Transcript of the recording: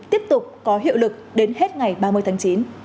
tiếp tục có hiệu lực đến hết ngày ba mươi tháng chín